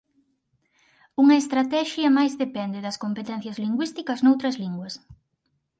Unha estratexia máis depende das competencias lingüísticas noutras linguas.